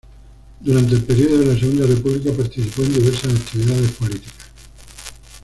Durante el periodo de la Segunda República participó en diversas actividades políticas.